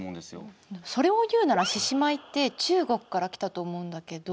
それを言うなら獅子舞って中国から来たと思うんだけど。